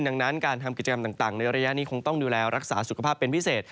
ดังนั้นการทำกิจกรรมต่างในระยะนี้คงต้องดูแลรักษาสุขภาพเป็นพิเศษ